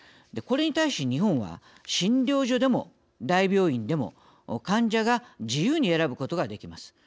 これに対し日本は診療所でも大病院でも患者が自由に選ぶことができます。